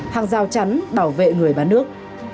hàng rào chắn bảo vệ người bán nước